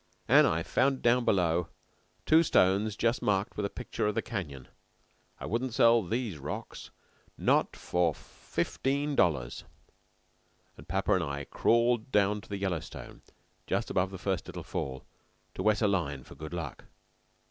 An' I found down below there two stones just marked with a picture of the canyon. I wouldn't sell these rocks not for fifteen dollars." And papa and I crawled down to the Yellowstone just above the first little fall to wet a line for good luck.